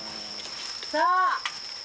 さあ。